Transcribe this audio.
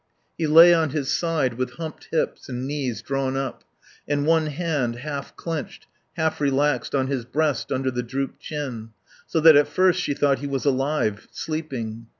He lay on his side, with humped hips and knees drawn up, and one hand, half clenched, half relaxed, on his breast under the drooped chin; so that at first she thought he was alive, sleeping.